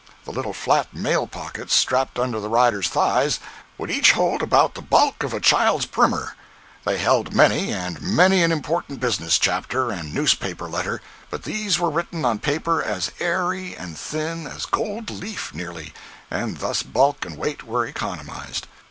The little flat mail pockets strapped under the rider's thighs would each hold about the bulk of a child's primer. They held many and many an important business chapter and newspaper letter, but these were written on paper as airy and thin as gold leaf, nearly, and thus bulk and weight were economized.